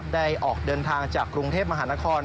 ออกเดินทางจากกรุงเทพมหานคร